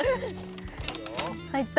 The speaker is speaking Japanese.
入った。